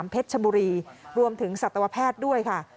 เพชรชบุรีรวมถึงสัตวแพทย์ด้วยค่ะ